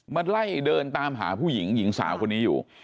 มาไล่เดินตามหาผู้หญิงหญิงสาวคนนี้อยู่